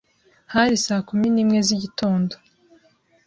hari saa kumi n'imwe z'igitondo